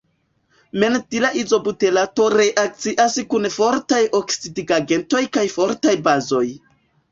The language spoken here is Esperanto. Mentila izobuterato reakcias kun fortaj oksidigagentoj kaj fortaj bazoj.